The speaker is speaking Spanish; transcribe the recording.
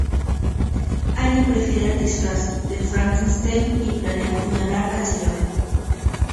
Annie prefiere el disfraz de Frankenstein y planea apuñalar al Sr.